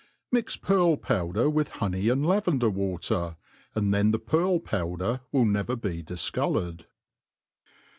MIX pcafl powdcr with honey and hvender ^water ; and theii the pearl powder will never be difcoloured.